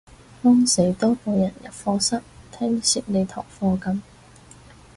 慌死多個人入課室聽蝕你嗰堂噉